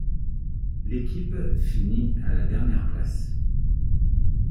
L'équipe finit à la dernière place.